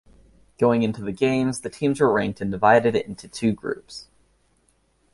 Going into the games, the teams were ranked and divided into two groups.